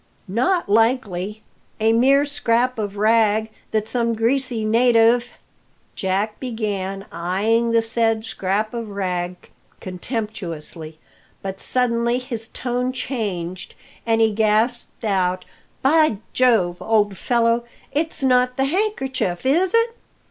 "Not likely! a mere scrap of rag that some greasy native " Jack began, eyeing the said scrap of rag contemptuously. But suddenly his tone changed, and he gasped out: "By Jove, old fellow, it's not the handkerchief, is it?"